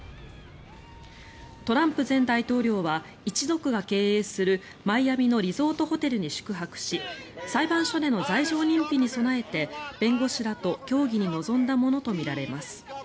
トランプ前大統領は一族が経営するマイアミのリゾートホテルに宿泊し裁判所での罪状認否に備えて弁護士らと協議に臨んだものとみられます。